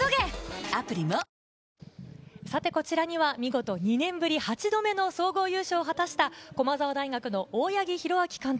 見事、２年ぶり８度目の総合優勝を果たした駒澤大学の大八木弘明監督、